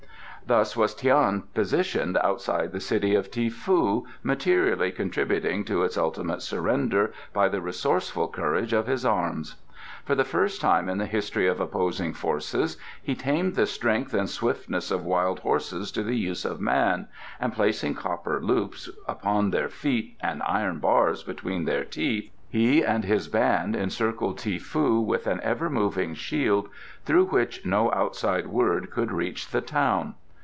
Thus was Tian positioned outside the city of Ti foo, materially contributing to its ultimate surrender by the resourceful courage of his arms. For the first time in the history of opposing forces he tamed the strength and swiftness of wild horses to the use of man, and placing copper loops upon their feet and iron bars between their teeth, he and his band encircled Ti foo with an ever moving shield through which no outside word could reach the town.